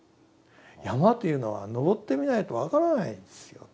「山というのは登ってみないと分からないんですよ。